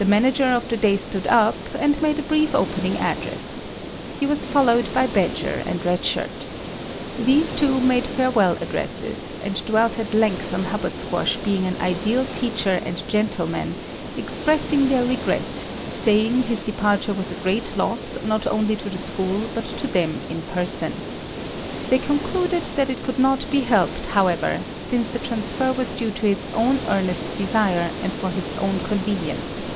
The manager of the day stood up and made a brief opening address. He was followed by Badger and Red Shirt. These two made farewell addresses, and dwelt at length on Hubbard Squash being an ideal teacher and gentleman, expressing their regret, saying his departure was a great loss not only to the school but to them in person. They concluded that it could not be helped, however, since the transfer was due to his own earnest desire and for his own convenience.